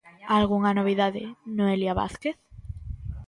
Algunha novidade, Noelia Vázquez?